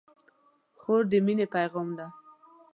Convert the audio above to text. خور د مینې پیغام ده.